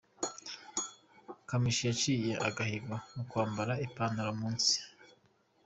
Kamichi yaciye agahigo mukwambarira ipantaro munsi.